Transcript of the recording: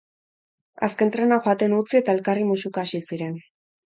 Azken trena joaten utzi eta elkarri musuka hasi ziren.